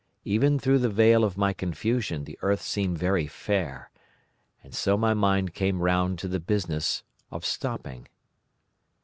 Even through the veil of my confusion the earth seemed very fair. And so my mind came round to the business of stopping.